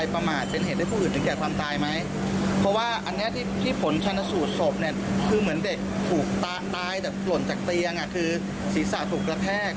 เพราะว่าเลือกทุี่ที่มันถล่นจากเตียงคือศีรษะศุกรแทรก